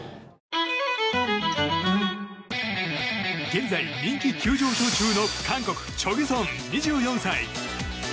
現在人気急上昇中の韓国チョ・ギュソン、２４歳。